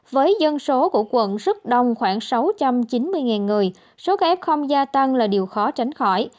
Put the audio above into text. với dân số của quận rất đông khoảng sáu trăm chín mươi người số f không gia tăng là điều khó tránh khỏi